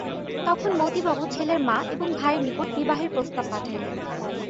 তখন মতিবাবু ছেলের মা এবং ভাইয়ের নিকট বিবাহের প্রস্তাব পাঠাইলেন।